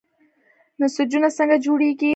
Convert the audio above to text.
نسجونه څنګه جوړیږي؟